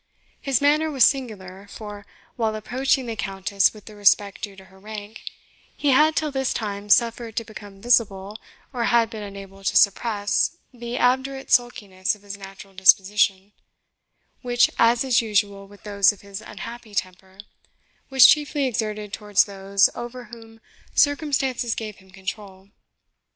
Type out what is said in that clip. His manner was singular; for, while approaching the Countess with the respect due to her rank, he had till this time suffered to become visible, or had been unable to suppress, the obdurate sulkiness of his natural disposition, which, as is usual with those of his unhappy temper, was chiefly exerted towards those over whom circumstances gave him control.